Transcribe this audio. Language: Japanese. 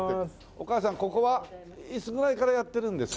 お母さんここはいつぐらいからやってるんですか？